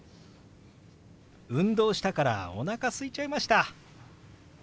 運動したからおなかすいちゃいました。